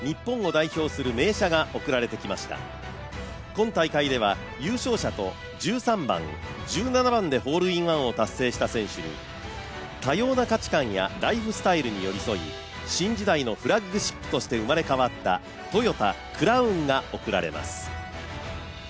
今大会では優勝者と１３番、１７番でホールインワンを達成した選手に多様な価値観やライフスタイルに寄り添い新時代のフラッグシップとして生まれ変わったトヨタ・クラウンが贈られます。